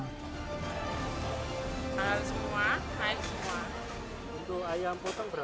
tiga puluh lima naik semua